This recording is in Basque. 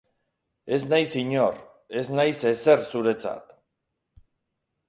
Ez naiz inor, ez naiz ezer zuretzat.